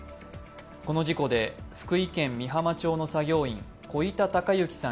この事故で福井県美浜町の作業員、小板孝幸さん